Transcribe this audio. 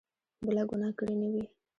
بله ګناه کړې نه وي.